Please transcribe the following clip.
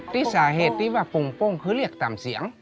ที่สาเหตุที่ว่าโป่งคือเรียกต่ำเสียง